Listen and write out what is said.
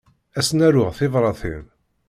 Ad sen-aruɣ tibratin.